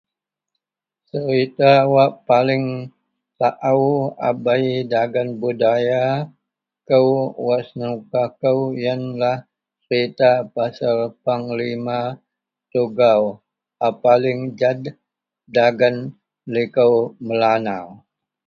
Serita wak paling baouca bei dagen budaya kou wak senuka kou yenlah pasel serita pasel Panglima Tugau a paling jed dagen likou Melanau.